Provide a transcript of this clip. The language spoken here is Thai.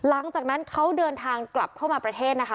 หลังจากนั้นเขาเดินทางกลับเข้ามาประเทศนะคะ